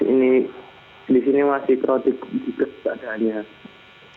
ini di sini masih terlalu diketahui keberadaannya